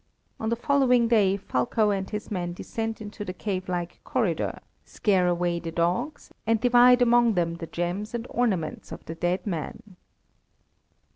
On the following day, Fulko and his men descend into the cave like corridor, scare away the dogs, and divide among them the gems and ornaments of the dead men."